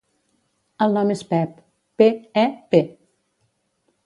El nom és Pep: pe, e, pe.